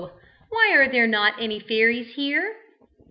Why are there not any fairies here?"